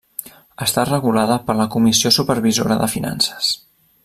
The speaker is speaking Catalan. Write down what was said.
Està regulada per la Comissió Supervisora de Finances.